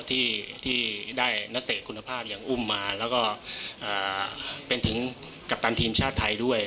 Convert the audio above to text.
ที่ได้นักเตะคุณภาพอย่างอุ้มมาแล้วก็เป็นถึงกัปตันทีมชาติไทยด้วย